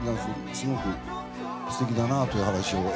すごく素敵だなという話を。